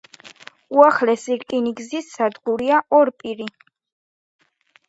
უახლესი რკინიგზის სადგურია ორპირი.